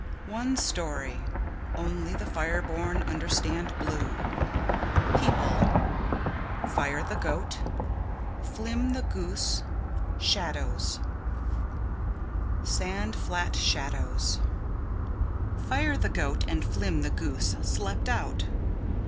One Story "Only the Fire Born Understand Blue" People: Fire the Goat Flim the Goose Shadows Sand Flat Shadows Fire the Goat and Flim the Goose slept out.